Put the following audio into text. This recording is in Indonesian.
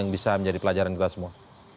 yang bisa menjadi pelajaran kita semua